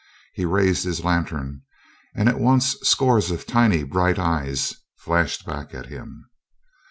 He raised his lantern; at once scores of tiny, bright eyes flashed back at him.